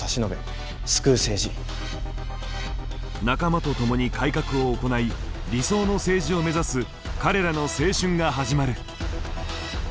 仲間と共に改革を行い理想の政治を目指す彼らの青春が始まる。